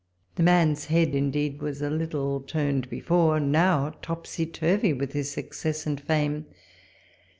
The man's head, indeed, was a little turned before, now topsy turvy with his success and fame.